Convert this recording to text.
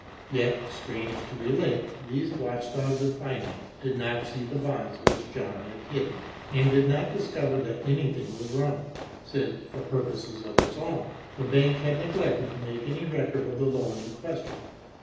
Yet, strange to relate, these watchdogs of finance, did not see the bonds which John had hidden, and did not discover that anything was wrong, since, for purposes of its own, the bank had neglected to make any record of the loan in question.